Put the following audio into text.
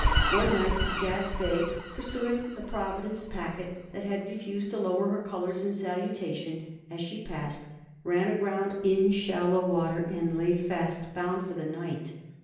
One night the "Gaspee," pursuing the Providence packet, that had refused to lower her colors in salutation as she passed, ran aground in shallow water and lay fast bound for the night.